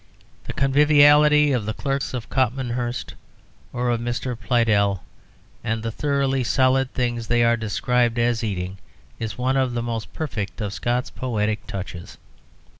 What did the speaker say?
The conviviality of the Clerk of Copmanhurst or of Mr. Pleydell, and the thoroughly solid things they are described as eating, is one of the most perfect of Scott's poetic touches.